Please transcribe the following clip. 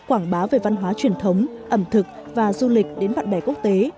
quảng bá về văn hóa truyền thống ẩm thực và du lịch đến bạn bè quốc tế